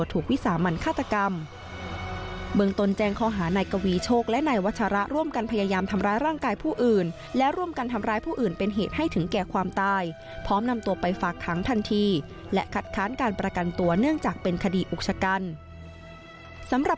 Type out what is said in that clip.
ติดตามจากรายงานครับ